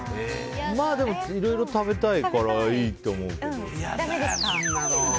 いろいろ食べたいからいいと思うけど。